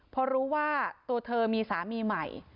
พอรู้ว่าตัวเธอมีสามีใหม่